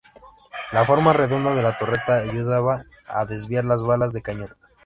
La forma redonda de la torreta ayudaba a desviar las balas de cañón.